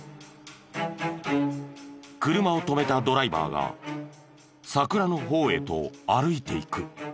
車を止めたドライバーが桜の方へと歩いていく。